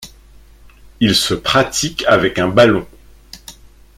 Il se pratique avec un ballon.